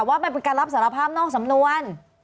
ว่ามันเป็นการรับสารภาพนอกสำนวน